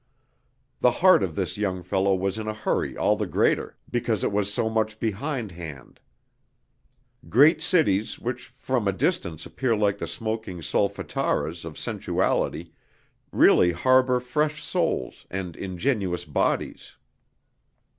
The heart of this young fellow was in a hurry all the greater because it was so much behindhand. Great cities which from a distance appear like the smoking solfataras of sensuality really harbor fresh souls and ingenuous bodies.